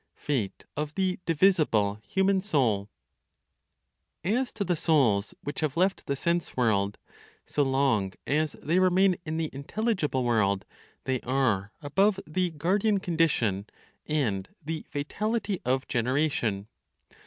FATE OF THE DIVISIBLE HUMAN SOUL. As to the souls which have left the sense world, so long as they remain in the intelligible world, they are above the guardian condition, and the fatality of generation.